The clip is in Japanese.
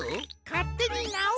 かってになおすな。